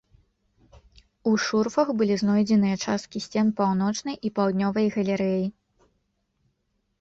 У шурфах былі знойдзеныя часткі сцен паўночнай і паўднёвай галерэі.